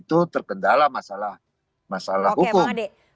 itu terkendala masalah hukum